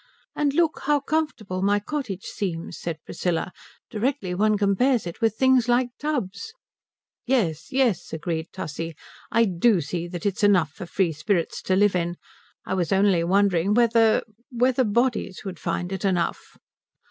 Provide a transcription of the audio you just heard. "And look how comfortable my cottage seems," said Priscilla, "directly one compares it with things like tubs." "Yes, yes," agreed Tussie, "I do see that it's enough for free spirits to live in. I was only wondering whether whether bodies would find it enough."